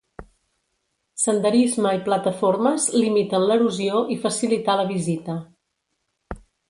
Senderisme i plataformes limiten l'erosió i facilitar la visita.